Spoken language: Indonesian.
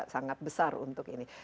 sangat besar untuk ini